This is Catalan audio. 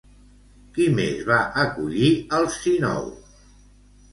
Qui més va acollir Alcínou?